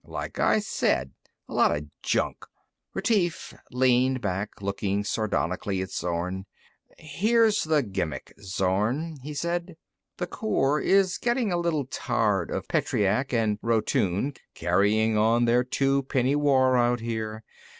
"Like I said. A lot of junk." Retief leaned back, looking sardonically at Zorn, "Here's the gimmick, Zorn," he said. "The Corps is getting a little tired of Petreac and Rotune carrying on their two penny war out here.